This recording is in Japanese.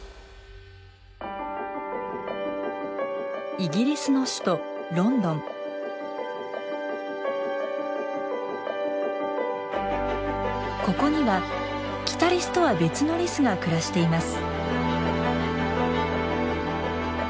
イギリスの首都ここにはキタリスとは別のリスが暮らしています。